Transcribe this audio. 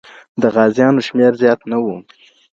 د غازیانو شمېر زیات نه و.